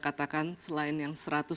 katakan selain yang satu ratus enam puluh